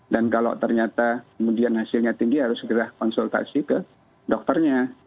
dan kalau ternyata kemudian hasilnya tinggi harus kita konsultasi ke dokternya